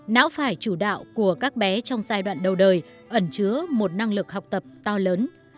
não phải chủ đạo của các bé trong giai đoạn đầu đời ẩn chứa một năng lực học tập to lớn